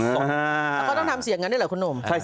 แล้วก็ต้องทำเสียงนั้นด้วยเหรอคุณหนุ่ม